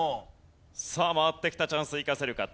さあ回ってきたチャンス生かせるか？